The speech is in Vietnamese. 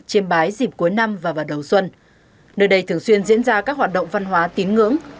chiêm bái dịp cuối năm và vào đầu xuân nơi đây thường xuyên diễn ra các hoạt động văn hóa tín ngưỡng